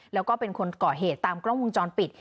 แล้วก็เป็นคนก่อเหตุตามกล้องวงจรปิด